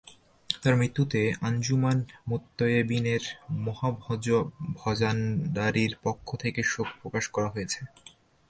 তাঁর মৃত্যুতে আঞ্জুমান মোত্তায়েবীনে মাহজভাণ্ডারীর পক্ষ থেকে শোক প্রকাশ করা হয়েছে।